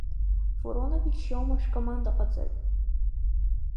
Воронович иоума шәкомандаҟаҵаҩ?